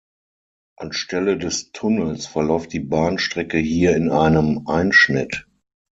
Anstelle des Tunnels verläuft die Bahnstrecke hier in einem Einschnitt.